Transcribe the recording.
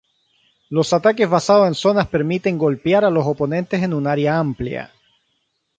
Los ataques basados en zonas permiten golpear a los oponentes en un área amplia.